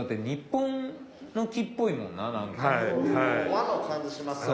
和の感じしますよね。